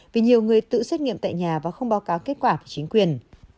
vì nhiều người tự xét nghiệm tại nhà và không báo cáo kết quả của chính quyền